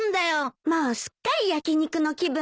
もうすっかり焼き肉の気分だったのに。